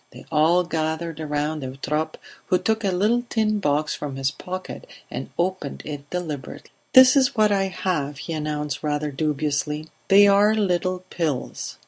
They all gathered round Eutrope, who took a little tin box from his pocket and opened it deliberately. "This is what I have," he announced rather dubiously. "They are little pills.